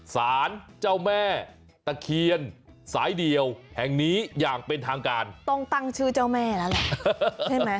สารเจ้าแม่ตะเคียนสายเดี่ยวแห่งนี้อย่างเป็นทางการต้องตั้งชื่อเจ้าแม่แล้วล่ะใช่ไหม